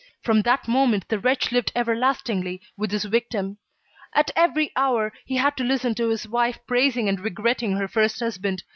From that moment the wretch lived everlastingly with his victim. At every hour, he had to listen to his wife praising and regretting her first husband.